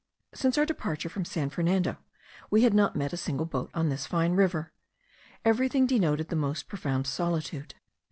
Since our departure from San Fernando we had not met a single boat on this fine river. Everything denoted the most profound solitude.